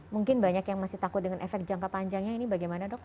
mungkin banyak yang masih takut dengan efek jangka panjangnya ini bagaimana dok